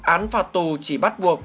án phạt tù chỉ bắt buộc